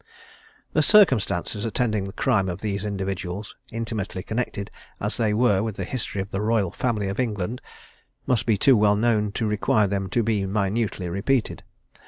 The circumstances attending the crime of these individuals, intimately connected as they were with the history of the Royal Family of England, must be too well known to require them to be minutely repeated.